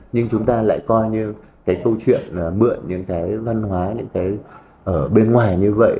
nhưng chúng ta lại coi như cái câu chuyện là mượn những cái văn hóa những cái ở bên ngoài như vậy